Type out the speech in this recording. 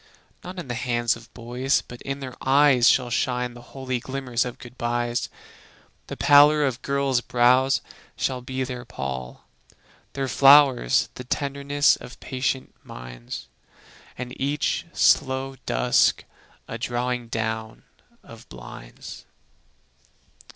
Not in the hands of boys, but in their eyes Shall shine the holy glimmers of goodbyes. The pallor of girls' brows shall be their pall; Their flowers the tenderness of patient minds, And each slow dusk a drawing down of blinds.